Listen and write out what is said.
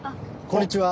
こんにちは。